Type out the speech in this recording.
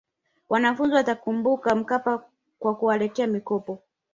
wanafunzi watamkumbuka mkapa kwa kuwaletea mikopo